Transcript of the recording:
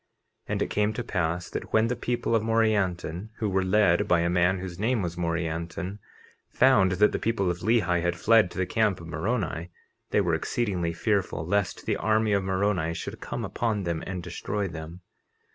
50:28 And it came to pass that when the people of Morianton, who were led by a man whose name was Morianton, found that the people of Lehi had fled to the camp of Moroni, they were exceedingly fearful lest the army of Moroni should come upon them and destroy them.